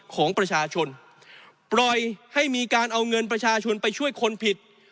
ของประชาชนปล่อยให้มีการเอาเงินประชาชนไปช่วยคนผิด